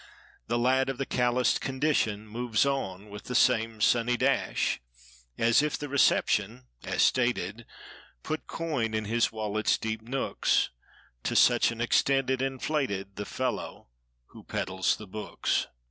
The lad of the calloused condition Moves on with the same sunny dash. As if the reception, as stated. Put coin in his wallet's deep nooks. To such an extent it inflated The fellow who peddles the books.